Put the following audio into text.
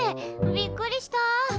びっくりした！